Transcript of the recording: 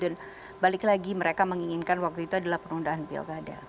dan balik lagi mereka menginginkan waktu itu adalah perundahan pilkada